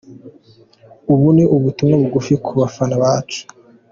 Ubu ni ubutumwa bugufi ku bafana bacu.